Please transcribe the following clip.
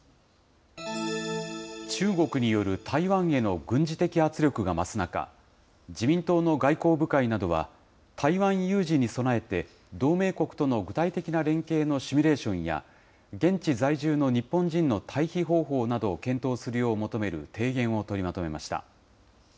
中国による台湾への軍事的圧力が増す中、自民党の外交部会などは、台湾有事に備えて同盟国との具体的な連携のシミュレーションや、現地在住の日本人の退避方法などを検討するよう求める提言を取りまとめました。